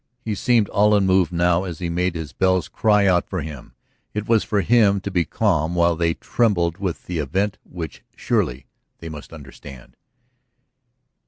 He seemed all unmoved now as he made his bells cry out for him; it was for him to be calm while they trembled with the event which surely they must understand.